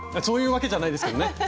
そういうわけじゃないですけどね。